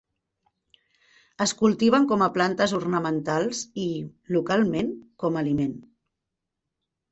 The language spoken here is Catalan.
Es cultiven com a plantes ornamentals i, localment, com a aliment.